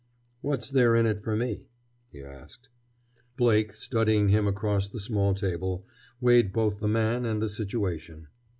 "What's there in it for me?" he asked. Blake, studying him across the small table, weighed both the man and the situation.